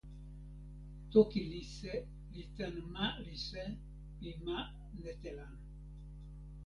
toki Lise li tan ma Lise pi ma Netelan.